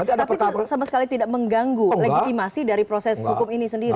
tapi itu sama sekali tidak mengganggu legitimasi dari proses hukum ini sendiri